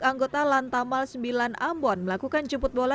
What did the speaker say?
anggota lantamal sembilan ambon melakukan jemput bola